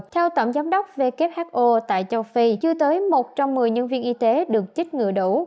theo tổng giám đốc who tại châu phi chưa tới một trong mười nhân viên y tế được chích ngựa đủ